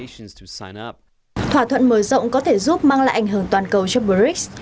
thỏa thuận mở rộng có thể giúp mang lại ảnh hưởng toàn cầu cho brics